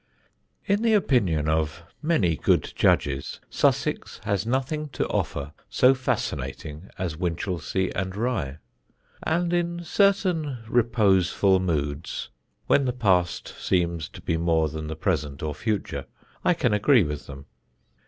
In the opinion of many good judges Sussex has nothing to offer so fascinating as Winchelsea and Rye; and in certain reposeful moods, when the past seems to be more than the present or future, I can agree with them.